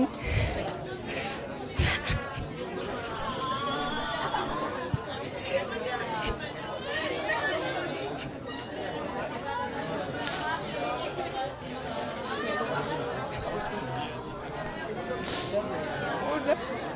pak makasih banyak